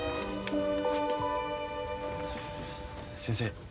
先生